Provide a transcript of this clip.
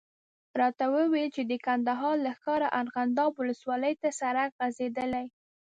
راته یې وویل چې د کندهار له ښاره ارغنداب ولسوالي ته سړک غځېدلی.